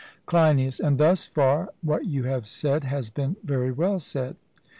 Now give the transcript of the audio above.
CLEINIAS: And thus far what you have said has been very well said.